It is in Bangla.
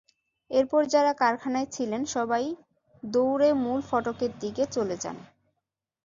এরপর যাঁরা কারখানায় ছিলেন, সবাই দৌড়ে মূল ফটকের দিকে চলে যান।